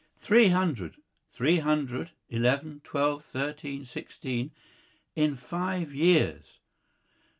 "Three hundred three hundred eleven twelve thirteen sixteen in five years!